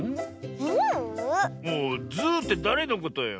ズーってだれのことよ。